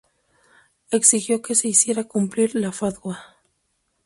Exigió que se hiciera cumplir la fatwa.